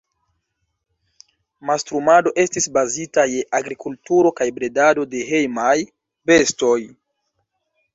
Mastrumado estis bazita je agrikulturo kaj bredado de hejmaj bestoj.